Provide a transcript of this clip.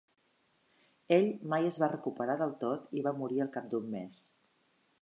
Ell mai es va recuperar del tot i va morir al cap d'un mes.